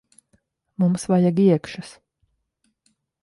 Mums vajag iekšas.